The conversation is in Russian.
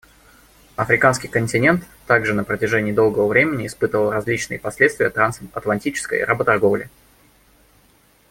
Африканский континент также на протяжении долгого времени испытывал различные последствия трансатлантической работорговли.